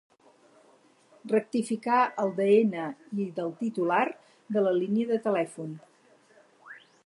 Rectificar el de ena i del titular de la línia de telèfon.